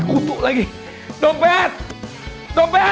kutu lagi dompet dompet